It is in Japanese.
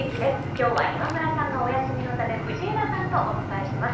今日は今村さんがお休みのため藤枝さんとお伝えします。